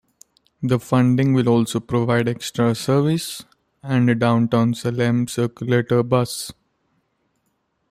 The funding will also provide extra service, and a Downtown Salem circulator bus.